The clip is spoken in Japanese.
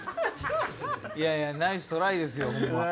いやいやナイストライですよ。